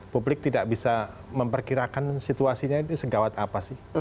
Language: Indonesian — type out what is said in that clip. publik tidak bisa memperkirakan situasinya ini segawat apa sih